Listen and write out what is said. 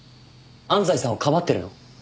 安西さんをかばってるの？